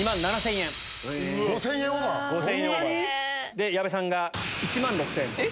で矢部さんが１万６０００円。